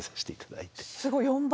すごい４倍。